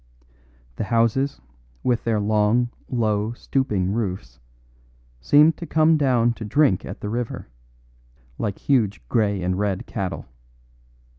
The houses, with their long, low, stooping roofs, seemed to come down to drink at the river, like huge grey and red cattle.